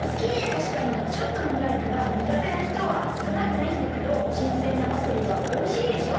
たしかにちょっとにがいからにがてなひとはすくなくないんだけどしんせんなパセリはおいしいでしょ？